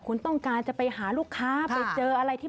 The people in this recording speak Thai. คุณต้องการจะไปหาลูกค้าไปเจออะไรที่